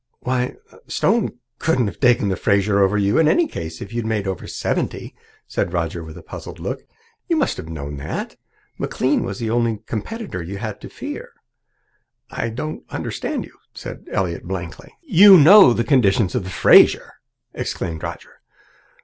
"Why, Stone couldn't have taken the Fraser over you in any case, if you made over seventy," said Roger with a puzzled look. "You must have known that. McLean was the only competitor you had to fear." "I don't understand you," said Elliott blankly. "You must know the conditions of the Fraser!" exclaimed Roger.